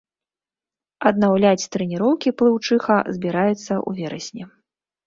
Аднаўляць трэніроўкі плыўчыха збіраецца ў верасні.